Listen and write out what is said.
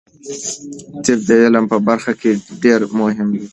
طب د علم په برخه کې ډیر مهم دی.